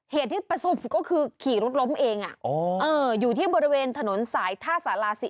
เหตุที่ประสบก็คือขี่รถล้มเองอยู่ที่บริเวณถนนสายท่าสารา๔